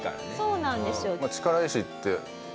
そうなんですよ。